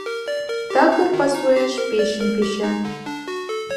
Такыр пасуэш печым печа.